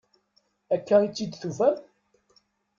Akka i tt-id-tufam?